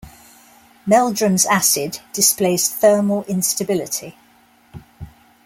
Meldrum's acid displays thermal instability.